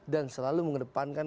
dan selalu mengedepankan